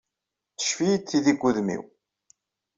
Teccef-iyi-d tidi deg udem-iw.